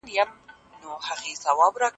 که تجسس نه وي نو د زده کړي هیله مړه کیږي.